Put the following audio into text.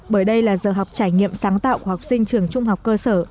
bởi đây là giờ học trải nghiệm sáng tạo của học sinh trường trung học cơ sở